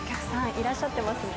いらっしゃってますね。